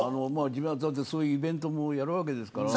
自分はそういうイベントもやるわけですから。